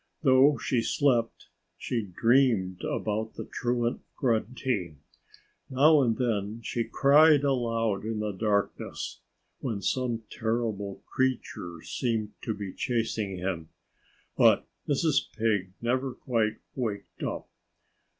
Though she slept, she dreamed about the truant Grunty. Now and then she cried aloud in the darkness, when some terrible creature seemed to be chasing him. But Mrs. Pig never quite waked up.